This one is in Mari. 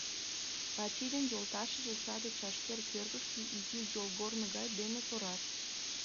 Вачий ден йолташыже саде чашкер кӧргышкӧ изи йолгорно гай дене пурат.